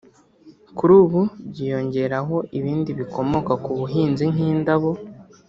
kuri ubu byiyongereyeho ibindi bikomoka ku buhinzi nk’indabo